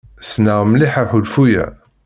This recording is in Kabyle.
Ssneɣ mliḥ aḥulfu-a.